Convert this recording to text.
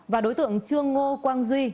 và đối tượng trương ngô quang duy